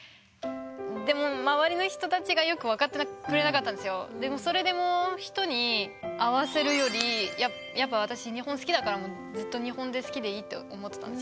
もうほんとにずっとでもそれでも人に合わせるよりやっぱ私日本好きだからずっと日本で好きでいいって思ってたんですよ。